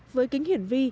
với kính hiển vi